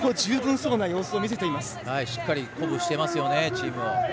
しっかり鼓舞していますチームを。